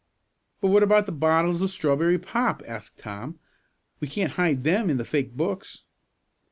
"But what about the bottles of strawberry pop?" asked Tom. "We can't hide them in the fake books."